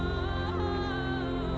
menjangkau di panggilan